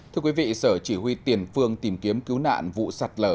thưa quý vị sở chỉ huy tiền phương tìm kiếm cứu nạn vụ sạt lở